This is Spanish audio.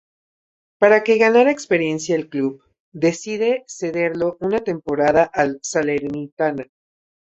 Para que ganara experiencia el club decide cederlo una temporada al Salernitana.